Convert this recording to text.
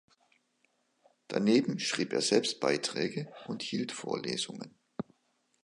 Daneben schrieb er selbst Beiträge und hielt Vorlesungen.